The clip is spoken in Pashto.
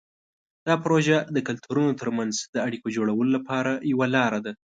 دا پروژه د کلتورونو ترمنځ د اړیکو جوړولو لپاره یوه لاره ده.